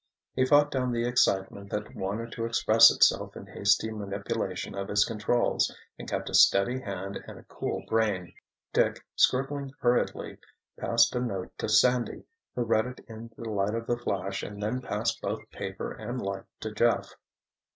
He fought down the excitement that wanted to express itself in hasty manipulation of his controls and kept a steady hand and a cool brain. Dick, scribbling hurriedly, passed a note to Sandy, who read it in the light of the flash, and then passed both paper and light to Jeff.